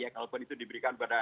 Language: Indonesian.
kalau itu diberikan kepada